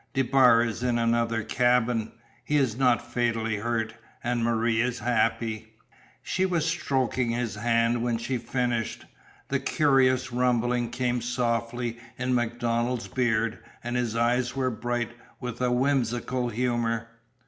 DeBar is in another cabin. He is not fatally hurt, and Marie is happy." She was stroking his hand when she finished. The curious rumbling came softly in MacDonald's beard and his eyes were bright with a whimsical humour.